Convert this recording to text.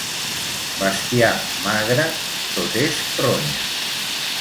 Bestiar magre, tot és ronya.